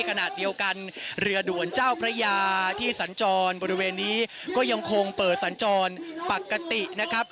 ขณะเดียวกันเรือด่วนเจ้าพระยาที่สัญจรบริเวณนี้ก็ยังคงเปิดสัญจรปกตินะครับ